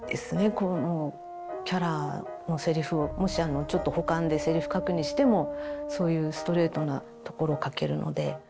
このキャラのセリフをもしちょっと補完でセリフ書くにしてもそういうストレートなところを書けるので。